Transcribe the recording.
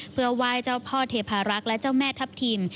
เพื่อไหว้เจ้าพ่อเทพารักษ์และเจ้าแม่ทัพทิม